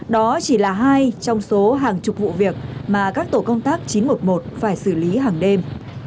đó chỉ là hai trong số hàng chục vụ việc mà các tổ công tác chín trăm một mươi một phải xử lý hàng đêm